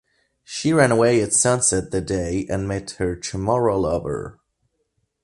She ran away at sunset that day and met her Chamorro lover.